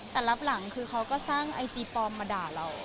แต่รับหลังคือเขาก็สร้างไอจีปลอมมาด่าเรา